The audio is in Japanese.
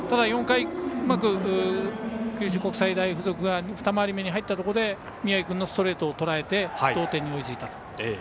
４回、うまく九州国際大付属が２回り目に入ったところで宮城君のストレートをとらえて同点に追いついた。